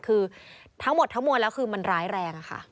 คือทั้งหมดทั้งมวลแล้วคือมันร้ายแรงค่ะ